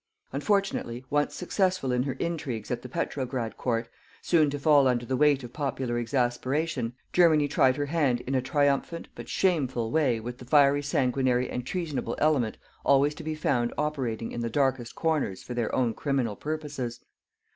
Unfortunately, once successful in her intrigues at the Petrograd Court, soon to fall under the weight of popular exasperation, Germany tried her hand in a triumphant, but shameful, way with the fiery sanguinary and treasonable element always to be found operating in the darkest corners for their own criminal purposes.